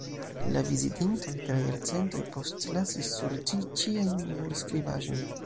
La vizitintoj tra jarcentoj postlasis sur ĝi ĉiajn murskribaĵojn.